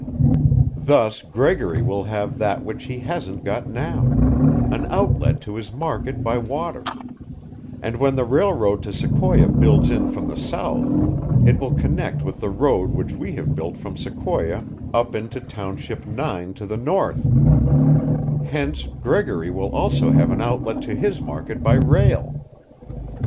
"Thus Gregory will have that which he hasn't got now an outlet to his market by water; and when the railroad to Sequoia builds in from the south, it will connect with the road which we have built from Sequoia up into Township Nine to the north; hence Gregory will also have an outlet to his market by rail.